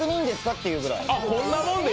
っていうくらい。